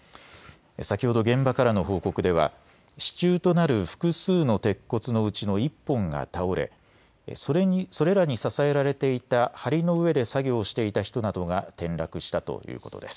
先ほど現場からの報告では支柱となる複数の鉄骨のうちの１本が倒れ、それらに支えられていたはりの上で作業していた人などが転落したということです。